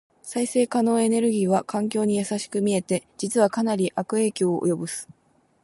再生可能エネルギーは環境に優しく見えて、実はかなり悪影響を及ぼす。